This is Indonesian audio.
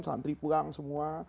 pesantri pulang semua